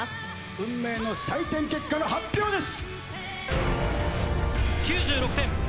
運命の採点結果の発表です！